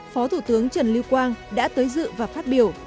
phó thủ tướng trần lưu quang đã tới dự và phát biểu